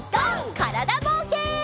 からだぼうけん。